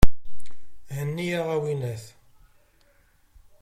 Henni-yaɣ, a winnat!